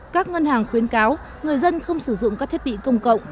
các ngân hàng khuyến cáo người dân không sử dụng các thiết bị công cộng